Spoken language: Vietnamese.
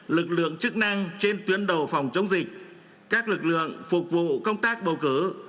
lực lượng chức năng trên tuyến đầu phòng chống dịch các lực lượng phục vụ công tác bầu cử